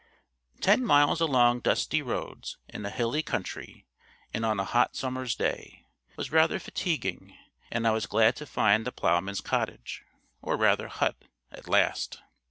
Ten miles along dusty roads in a hilly country, and on a hot summer's day, was rather fatiguing, and I was glad to find the ploughman's cottage, or rather hut, at last.